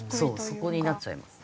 そこになっちゃいます。